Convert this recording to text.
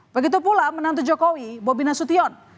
begitu pula menantu jokowi bobina sution